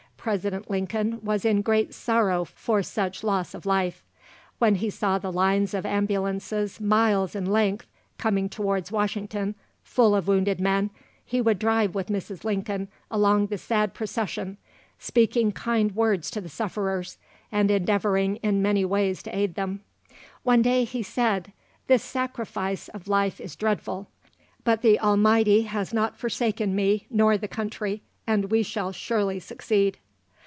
President Lincoln was in great sorrow for such loss of life. When he saw the lines of ambulances miles in length coming towards Washington, full of wounded men, he would drive with Mrs. Lincoln along the sad procession, speaking kind words to the sufferers, and endeavouring in many ways to aid them. One day he said, "This sacrifice of life is dreadful; but the Almighty has not forsaken me nor the country, and we shall surely succeed."